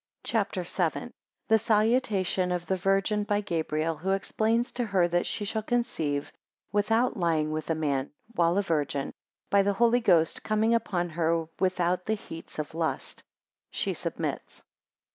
CHAPTER VII. 7 The salutation of the Virgin by Gabriel, who explains to her that she shall conceive, without lying with a man, while a Virgin, 19 by the Holy Ghost coming upon her without the heats of lust. 21 She submits.